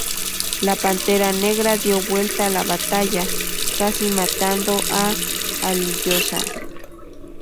La Pantera Negra dio vuelta la batalla, casi matando a Alyosha.